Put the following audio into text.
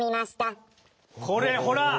これほら！